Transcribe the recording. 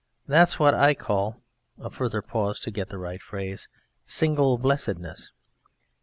_) That's what I call (a further pause to get the right phrase) "single blessedness."